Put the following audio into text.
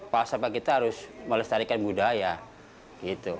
palsafah kita harus melestarikan budaya gitu